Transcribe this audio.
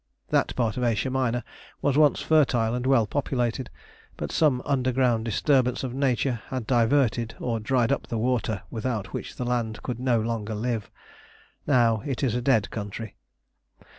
That part of Asia Minor was once fertile and well populated, but some underground disturbance of nature had diverted or dried up the water without which the land could no longer live. Now it is a dead country.